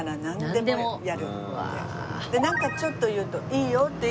でなんかちょっと言うと「いいよ」って。